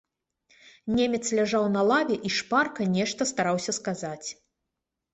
Немец ляжаў на лаве і шпарка нешта стараўся сказаць.